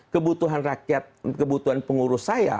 kebutuhan rakyat kebutuhan pengurus saya